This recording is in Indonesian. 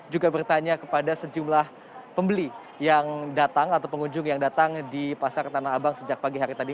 juga bertanya kepada sejumlah pembeli yang datang atau pengunjung yang datang di pasar tanah abang sejak pagi hari tadi